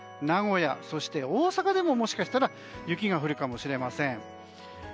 名古屋、大阪でも、もしかしたら雪が降るかもしれません。